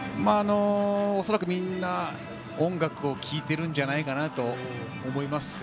恐らく、みんな音楽を聴いているんじゃないかなと思います。